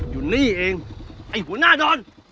อยู่นี่เองไอ้หัวหน้าดอน